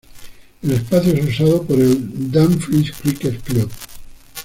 El espacio es usado por el Dumfries Cricket Club.